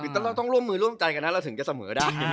คือเราต้องร่วมมือร่วมใจกันนะเราถึงจะเสมอได้